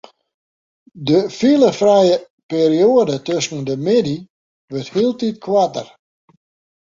De filefrije perioade tusken de middei wurdt hieltyd koarter.